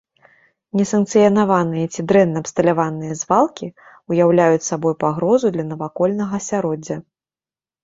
Несанкцыянаваныя ці дрэнна абсталяваныя звалкі ўяўляюць сабой пагрозу для навакольнага асяроддзя.